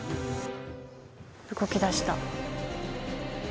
動き出した。